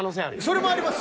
それもあります